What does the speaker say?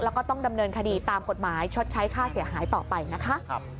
แล้วก็ต้องดำเนินคดีตามกฎหมายชดใช้ค่าเสียหายต่อไปนะคะ